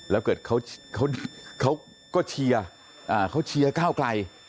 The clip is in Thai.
แล้วเกิดเขาก็เชียร์เขาเชียร์ก้าวไกล